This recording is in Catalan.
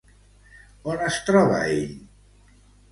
On es troba ell?